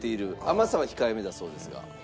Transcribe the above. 甘さは控えめだそうですが。